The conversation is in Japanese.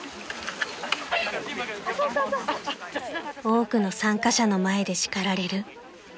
［多くの参加者の前で叱られる］